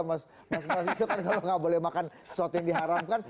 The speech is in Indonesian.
mas nasir kan kalau nggak boleh makan sesuatu yang diharamkan